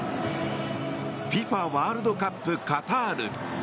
ＦＩＦＡワールドカップカタール。